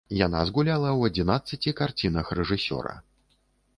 Яна згуляла ў адзінаццаці карцінах рэжысёра.